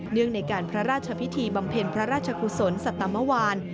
ในการพระราชพิธีบำเพ็ญพระราชกุศลสัตมวาน